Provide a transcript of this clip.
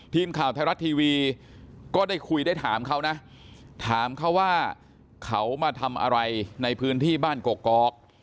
ทีมข่าวไทยรัฐทีวีก็ได้คุยได้ถามเขานะถามเขาว่าเขามาทำอะไรในพื้นที่บ้านกกอก